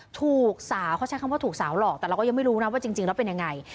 ถูกสาวเขาใช้คำว่าถูกสาวหลอกแต่เราก็ยังไม่รู้นะว่าจริงแล้วเป็นยังไง